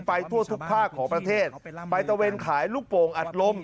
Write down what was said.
ทั่วทุกภาคของประเทศไปตะเวนขายลูกโป่งอัดลม